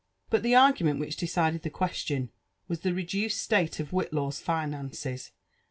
But the argument which decided the question was the reduced state of Whitlaw's finances.